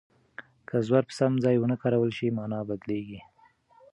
که زور په سم ځای ونه کارول شي مانا بدلیږي.